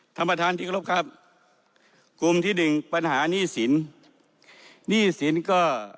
ท่านประธานที่กรบครับกลุ่มที่หนึ่งปัญหาหนี้สินหนี้สินก็